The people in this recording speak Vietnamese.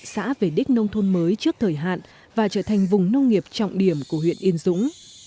xã về đích nông thôn mới trước thời hạn và trở thành vùng nông nghiệp trọng điểm của huyện yên dũng